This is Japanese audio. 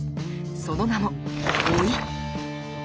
その名も「老い」。